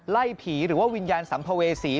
ไล่ผีหรือว่าวิญญาณสัมภเวษี